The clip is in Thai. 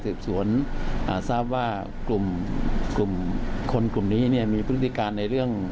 สืบสวนทราบว่ากลุ่มคนกลุ่มนี้เนี่ยมีพฤติการในเรื่อง